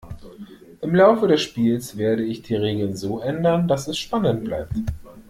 Im Laufe des Spiels werde ich die Regeln so ändern, dass es spannend bleibt.